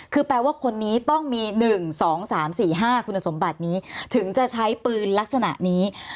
คือแปลว่าคนนี้ต้องมี๑๒๓๔๕คุณสมบัตินี้ถึงจะใช้ปืนลักษณะนี้